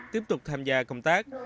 tiếp tục tham gia công tác